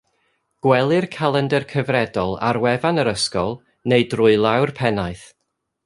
Gwelir calendr cyfredol ar wefan yr ysgol neu drwy law'r pennaeth